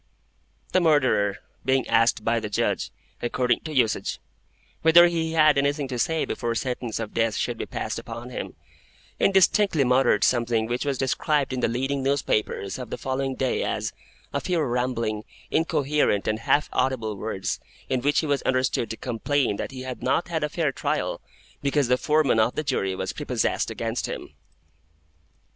The Murderer, being asked by the Judge, according to usage, whether he had anything to say before sentence of Death should be passed upon him, indistinctly muttered something which was described in the leading newspapers of the following day as "a few rambling, incoherent, and half audible words, in which he was understood to complain that he had not had a fair trial, because the Foreman of the Jury was prepossessed against him."